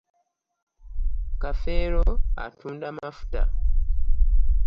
Kafeero atunda mafuta.